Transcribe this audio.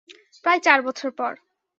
প্রায় চার বছর পর।